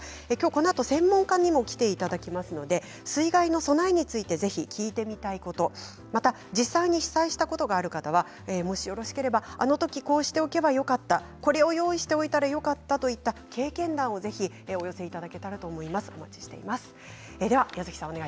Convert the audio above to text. このあと専門家にも来ていただきますので水害の備えについて聞いてみたいことまた実際に被災したことがある方は、もしよろしければあのときこうしておけばよかったこれを用意しておけばよかったといった経験談をぜひお寄せいただけたらと思います。